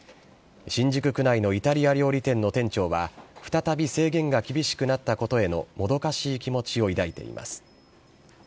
新宿区内のイタリア料理店の店長は、再び制限が厳しくなったことへのもどかしい気持ちを抱いています。